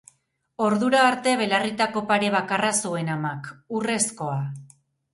Ordura arte belarritako pare bakarra zuen amak, urrezkoa.